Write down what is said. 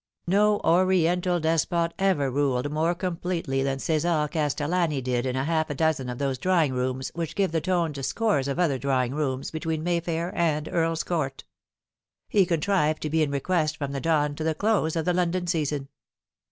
No Oriental despot ever ruled more completely than Cesar Castellani did in half a dozen of those drawing rooms which give the tone to scores of other drawing rooms between Mayfair and Earl's Court. He contrived to be in request from the dawn to the close of the London season.